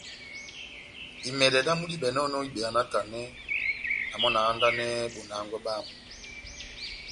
Imɛdɛ damu dímɛdɛnɔ ibeya náhtanɛ, na mɔ́ na handanɛhɛ bona hángwɛ bámu.